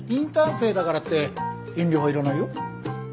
生だからって遠慮はいらないよ。